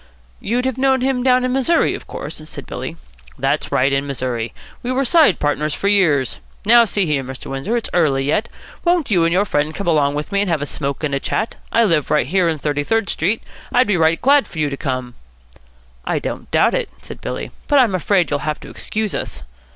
"You'd have known him down in Missouri, of course?" said Billy. "That's right. In Missouri. We were side partners for years. Now, see here, Mr. Windsor, it's early yet. Won't you and your friend come along with me and have a smoke and a chat? I live right here in Thirty Third Street. I'd be right glad for you to come." "I don't doubt it," said Billy, "but I'm afraid you'll have to excuse us."